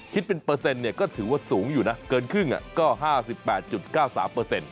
คิดเป็นเปอร์เซ็นต์ก็ถือว่าสูงอยู่นะเกินครึ่งก็๕๘๙๓เปอร์เซ็นต